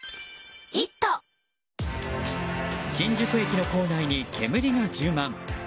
新宿駅の構内に煙が充満。